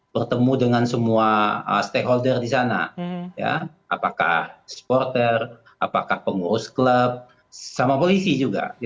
bertemu dengan semua stakeholder di sana apakah supporter apakah pengurus klub sama polisi juga